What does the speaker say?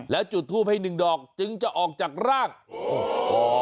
แล้วจุดทูปให้หนึ่งดอกจึงจะออกจากร่างโอ้โห